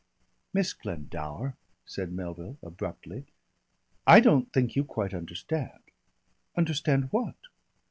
"Miss Glendower," said Melville abruptly. "I don't think you quite understand." "Understand what?"